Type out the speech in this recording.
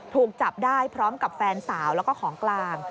ถูกจับได้พร้อมกับแฟนสาวแล้วก็ของกลาง